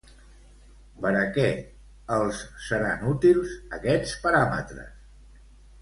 Per a què els seran útils aquests paràmetres?